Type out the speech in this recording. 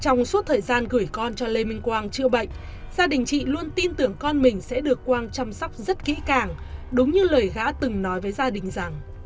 trong suốt thời gian gửi con cho lê minh quang chữa bệnh gia đình chị luôn tin tưởng con mình sẽ được quang chăm sóc rất kỹ càng đúng như lời gã từng nói với gia đình rằng